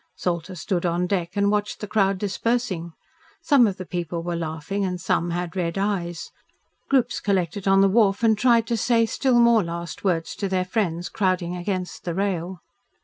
Salter stood on deck and watched the crowd dispersing. Some of the people were laughing and some had red eyes. Groups collected on the wharf and tried to say still more last words to their friends crowding against the rail.